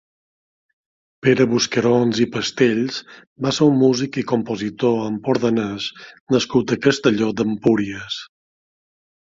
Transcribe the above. Pere Buscarons i Pastells va ser un músic i compositor empordanès nascut a Castelló d'Empúries.